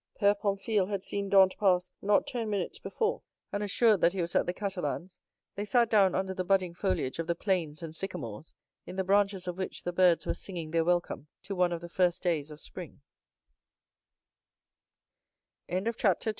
Père Pamphile had seen Dantès pass not ten minutes before; and assured that he was at the Catalans, they sat down under the budding foliage of the planes and sycamores, in the branches of which the birds were singing their welcome to one of the first days of